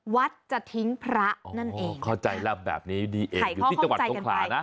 วัดสถิงพระนั่นเอง